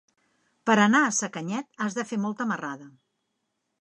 Per anar a Sacanyet has de fer molta marrada.